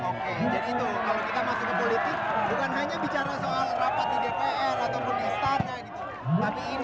oke jadi itu kalau kita masuk ke politik